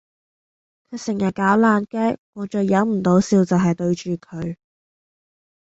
佢成日搞爛 gag 我最忍唔到笑就係對住佢